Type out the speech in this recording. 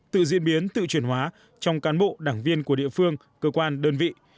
tự diễn biến tự chuyển hóa trong cán bộ đảng viên của địa phương cơ quan đơn vị